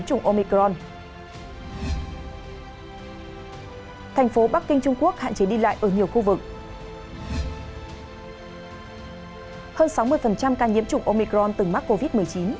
hơn sáu mươi ca nhiễm chủng omicron từng mắc covid một mươi chín